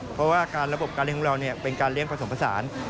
เพราะว่าระบบการเลี้ยของเราเป็นการเลี้ยงผสมผสาน